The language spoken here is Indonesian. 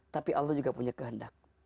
tapi allah juga punya kehendak